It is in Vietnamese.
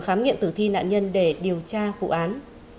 khám nghiệm tử thi nạn nhân để điều tra vụ án